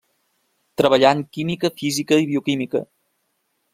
Treballà en química física i bioquímica.